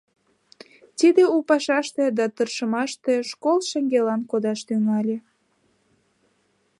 Тиде у пашаште да тыршымаште школ шеҥгелан кодаш тӱҥале.